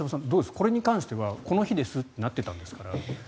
これに関してはこの日ですってなってたんですから。